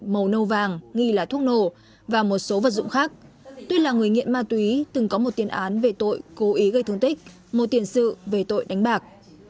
một số vật dụng khác tuyết là người nghiện ma túy từng có một tiền án về tội cố ý gây thương tích một tiền sự về tội đánh bạc